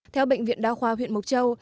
theo bệnh viện đa khoa huyện mộc châu